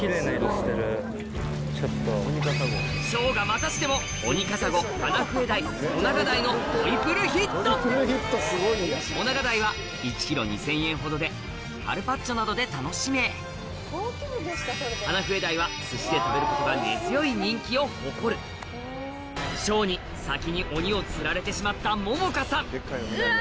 しょうがまたしてものトリプルヒットオナガダイは１ｋｇ２０００円ほどでカルパッチョなどで楽しめハナフエダイは寿司で食べることが根強い人気を誇るしょうに先に鬼を釣られてしまった百々絵さんうわ